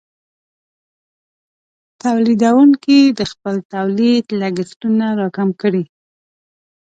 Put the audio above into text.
تولیدونکې د خپل تولید لګښتونه راکم کړي.